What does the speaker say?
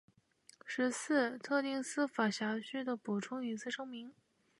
十四、特定司法辖区的补充隐私声明